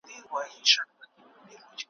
دا د افغانستان